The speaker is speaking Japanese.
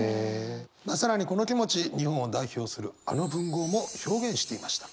まあ更にこの気持ち日本を代表するあの文豪も表現していました。